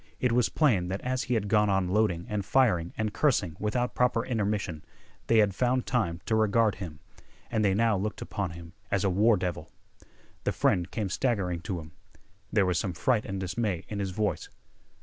It was plain that as he had gone on loading and firing and cursing without proper intermission, they had found time to regard him. And they now looked upon him as a war devil. The friend came staggering to him. There was some fright and dismay in his voice.